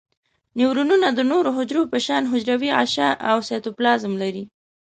نیورونونه د نورو حجرو په شان حجروي غشاء او سایتوپلازم لري.